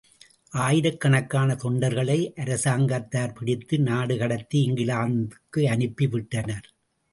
ஆயிரக்கணக்காக தொண்டர்களை அரசாங்கத்தார் பிடித்து நாடு கடத்தி இங்கிலாந்துக்கு அனுப்பி விட்டனர்.